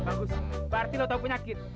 bagus berarti lo tahu penyakit